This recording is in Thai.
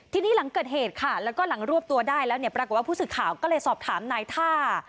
ทีนี้หลังเกิดเหตุค่ะแล้วก็หลังรวบตัวได้แล้วเนี่ยปรากฏว่าผู้สื่อข่าวก็เลยสอบถามนายท่า